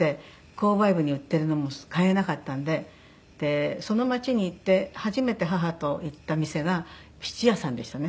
購買部に売ってるのも買えなかったんでその町に行って初めて母と行った店が質屋さんでしたね。